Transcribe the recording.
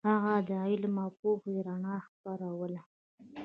هغه د علم او پوهې رڼا خپروله.